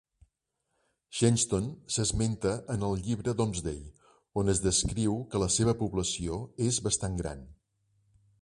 Shenstone s'esmenta en el Llibre Domesday on es descriu que la seva població és bastant gran.